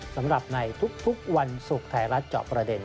สำหรับในทุกวันศุกร์ไทยรัฐเจาะประเด็น